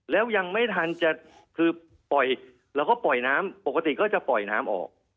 แล้วยังไม่ทันจะคือปล่อยเราก็ปล่อยน้ำปกติก็จะปล่อยน้ำออก